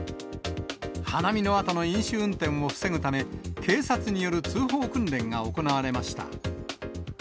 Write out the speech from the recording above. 花見のあとの飲酒運転を防ぐため、警察による通報訓練が行われました。